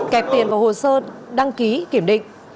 kẹp tiền vào hồ sơ đăng ký kiểm định